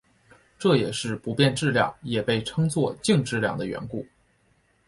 这也是不变质量也被称作静质量的缘故。